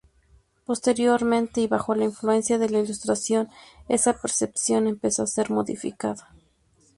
Posteriormente, y bajo la influencia de la Ilustración esa percepción empezó a ser modificada.